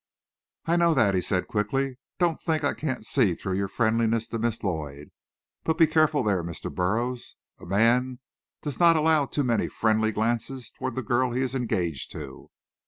"I know that," he said quickly. "Don't think I can't see through your `friendliness' to Miss Lloyd! But be careful there, Mr. Burroughs. A man does not allow too many `friendly' glances toward the girl he is engaged to."